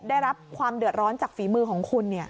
ได้รับความเดือดร้อนจากฝีมือของคุณ